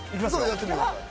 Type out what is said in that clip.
やってみてください